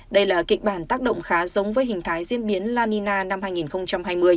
đây là kịch bản tác động khá giống với hình thái diễn biến lanina năm hai nghìn hai mươi